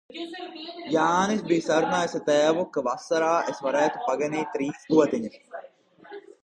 Jānis bija sarunājis ar tēvu, ka vasarā es varētu paganīt trīs gotiņas.